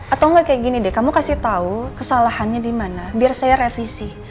atau enggak kayak gini deh kamu kasih tahu kesalahannya di mana biar saya revisi